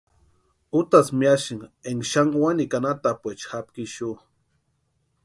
Utasïni miasïnka énka xani wanikwa anhatapuecha japka ixu.